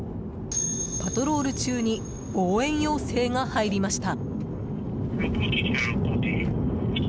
パトロール中に応援要請が入りました。